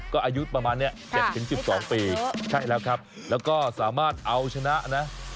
ก็อายุประมาณนี้๗๑๒ปีใช่แล้วครับแล้วก็สามารถเอาชนะนะ